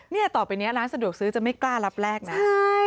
เนี่ยต่อไปเนี่ยร้านสะดวกซื้อจะไม่กล้ารับแลกนะ